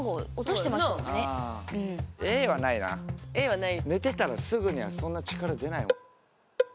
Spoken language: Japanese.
寝てたらすぐにはそんな力出ないもん。